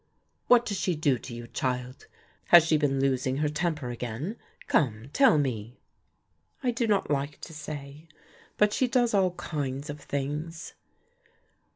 "What does she do to you, child? Has she been losing her temper again? Come, tell me." "I do not like to say, but she does all kinds of things."